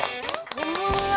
ほんものだ。